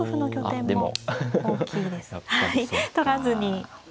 取らずに。